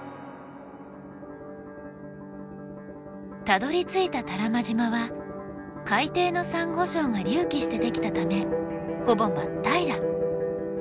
たどりついた多良間島は海底のサンゴ礁が隆起して出来たためほぼ真っ平ら。